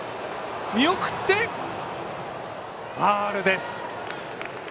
見送ってファウルです。